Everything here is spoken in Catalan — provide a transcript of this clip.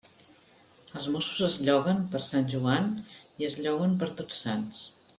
Els mossos es lloguen per Sant Joan i es lloguen per Tots Sants.